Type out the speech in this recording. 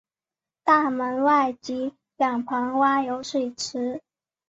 大门外及两旁挖有水池。